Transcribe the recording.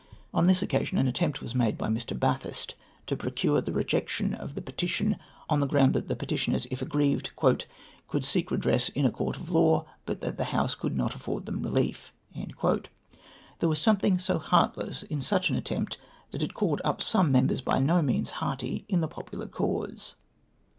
On this occasion, an attempt was made by Mr. Bathurst to procure the rejection of the petition, on the ground that the petitioners, if aggrieved, " could seek redress in a court of law^ hut that the House could 7iot afford them relief I " There was something so heart less m sucli an attempt that it called up some members l3y no means hearty in the popular cause.